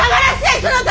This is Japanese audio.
そなた！